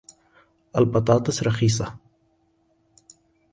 البطاطس رخيصة.